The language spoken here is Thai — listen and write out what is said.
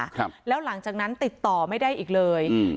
ครับแล้วหลังจากนั้นติดต่อไม่ได้อีกเลยอืม